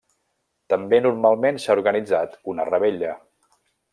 També normalment s'ha organitzat una revetlla.